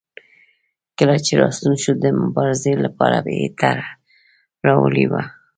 کله چې راستون شو د مبارزې لپاره یې طرحه راوړې وه.